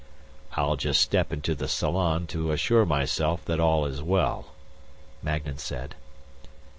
"I'll just step into the salon to assure myself that all is well," Magnan said.